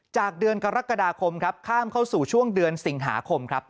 จากเดือนกรกฎาคมครับข้ามเข้าสู่ช่วงเดือนสิงหาคมครับ